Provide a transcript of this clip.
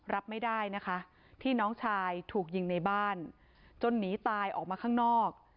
รับไม่ได้นะคะที่น้องชายถูกยิงในบ้านจนหนีตายออกมาข้างนอก